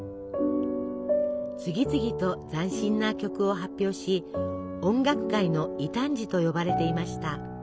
次々と斬新な曲を発表し「音楽界の異端児」と呼ばれていました。